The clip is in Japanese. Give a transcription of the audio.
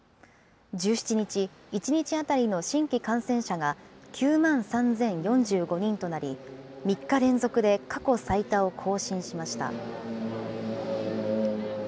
１７日、１日当たりの新規感染者が９万３０４５人となり、３日連続で過去最多を更新しました。